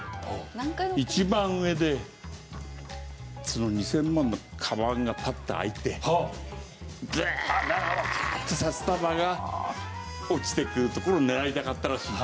一番上でその２０００万のカバンがパッて開いてダーッと札束が落ちてくるところを狙いたかったらしいんだ。